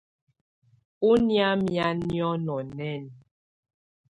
Ɔ́ nɛ̀ámɛ̀á niɔ́nɔ nɛɛnɛ.